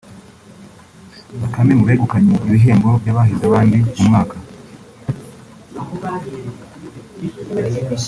Bakame mu begukanye ibihembo by’abahize abandi mu mwaka